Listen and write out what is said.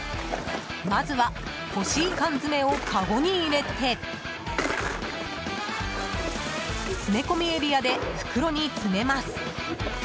まずは欲しい缶詰をかごに入れて詰め込みエリアで袋に詰めます。